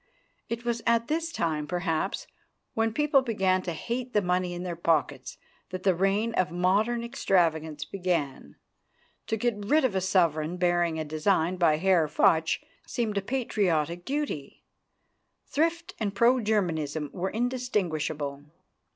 It was at this time, perhaps, when people began to hate the money in their pockets, that the reign of modern extravagance began. To get rid of a sovereign bearing a design by Herr Fuchs seemed a patriotic duty. Thrift and pro Germanism were indistinguishable.